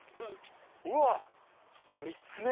うわ３つ目！